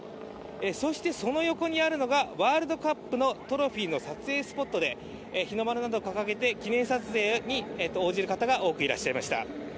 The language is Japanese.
その横にあるのが、ワールドカップのトロフィーの撮影スポットで日の丸など掲げて記念撮影に応じる方が多くいらっしゃいました。